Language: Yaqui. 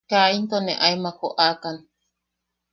Kaa into ne aemak joʼakan.